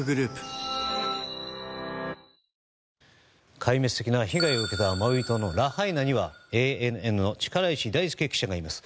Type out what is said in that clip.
壊滅的な被害を受けたマウイ島のラハイナにはＡＮＮの力石大輔記者がいます。